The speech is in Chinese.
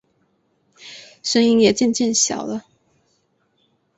声音也渐渐小了